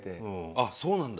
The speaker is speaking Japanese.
あっそうなんだ。